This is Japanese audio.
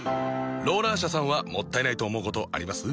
ローラー車さんはもったいないと思うことあります？